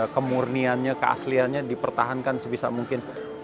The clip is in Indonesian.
kemurniannya keasliannya dipertahankan sebisa mungkin